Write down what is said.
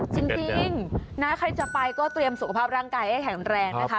จริงนะใครจะไปก็เตรียมสุขภาพร่างกายให้แข็งแรงนะคะ